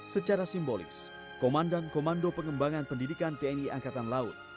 secara simbolis komandan komando pengembangan pendidikan tni angkatan laut